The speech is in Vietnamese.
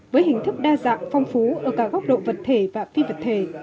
với hình thức đa dạng phong phú ở cả góc độ vật thể và phi vật thể